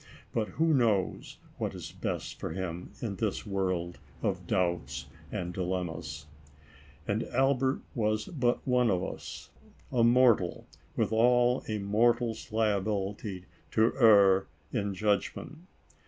But who ever knows what is best for him, in this world of doubts and dilemmas ? And Albert was but one of us, a mortal, with all a mortal's lia bility to err in judgment.